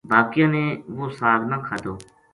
باقیاں نے وہ ساگ نہ کھادو